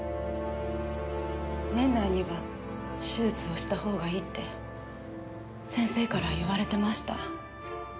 年内には手術をした方がいいって先生から言われてました。